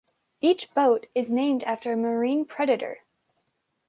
Each boat is named after a marine predator.